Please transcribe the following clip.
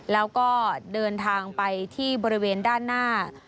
แล้วก็เดินทางไปที่บริเวณด้านหน้า